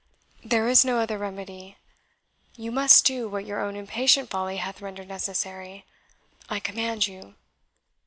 There is no other remedy you must do what your own impatient folly hath rendered necessary I command you."